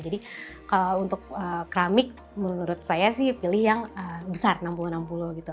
jadi kalau untuk keramik menurut saya sih pilih yang besar enam puluh enam puluh gitu